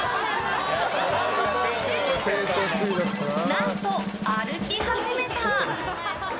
何と、歩き始めた！